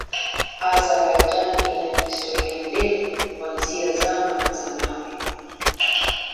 Azerbaijan ina historia ndefu kuanzia Zama za Mawe.